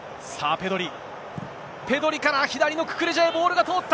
ペドリから、左のククレジャへボールが通った。